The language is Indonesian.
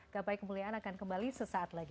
gapai kemuliaan akan kembali sesaat lagi